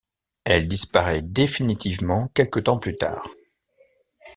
Elle disparaît définitivement quelque temps plus tard.